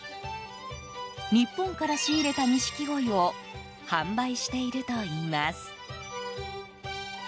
日本から仕入れた錦鯉を販売しているといいます。